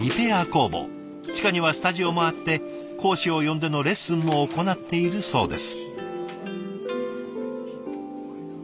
地下にはスタジオもあって講師を呼んでのレッスンも行っているそうです。